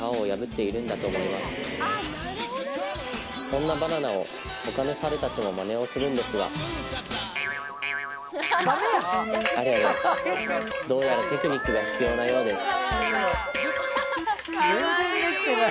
そんなバナナを他のサルたちもマネをするんですがありゃりゃどうやらテクニックが必要なようです